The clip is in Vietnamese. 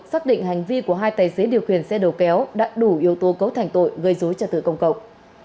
xác định hành vi của hai tài xế điều khiển xe đầu kéo đã đủ yếu tố cấu thành tội gây dối trật tự công cộng